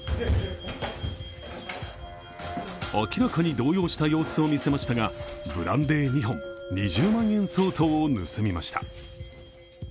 明らかに動揺した様子を見せましたがブランデー２本、２０万円相当を盗みました。